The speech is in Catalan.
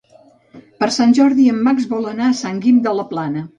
Per Sant Jordi en Max vol anar a Sant Guim de la Plana.